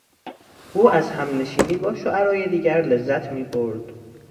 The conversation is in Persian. او از همنشینی با شعرای دیگر لذت میبرد.